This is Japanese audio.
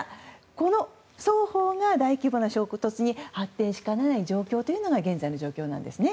この双方が大規模な衝突に発展しかねない状況というのが現在の状況なんですね。